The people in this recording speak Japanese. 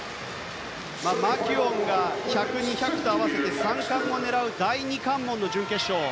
マキュオンが１００、２００と合わせて３冠を狙う第２関門の準決勝。